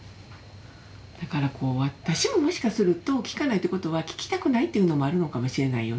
だからこう私ももしかすると聞かないってことは聞きたくないっていうのもあるのかもしれないよね。